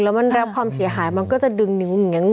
แล้วมันเรียกว่าความเสียหายมันก็จะดึงหนึ่งอย่างนี้